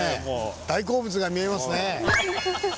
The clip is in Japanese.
大好物が見えますね！